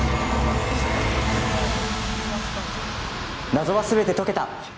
謎はすべて解けた！